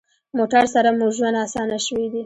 موټر سره مو ژوند اسانه شوی دی.